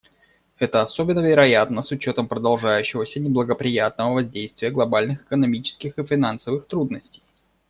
Это особенно вероятно с учетом продолжающегося неблагоприятного воздействия глобальных экономических и финансовых трудностей.